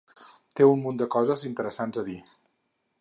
Té un munt de coses interessants per dir.